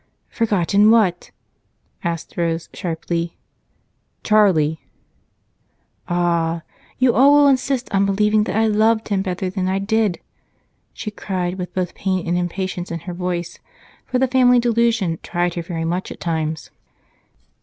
"Forgotten what?" asked Rose sharply. "Charlie." "Ah! You all will insist on believing that I loved him better than I did!" she cried, with both pain and impatience in her voice, for the family delusion tried her very much at times.